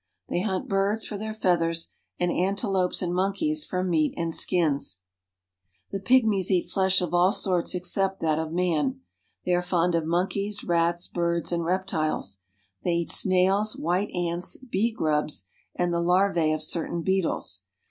They hunt birds for their feathers, and antelopes and monkeys for meat and skins. •^The pygmies eat flesh of all sorts except that of man. They are fond of monkeys, rats, birds, and reptiles. They eat snails, white ants, bee grubs, and the larvae of certain beetles.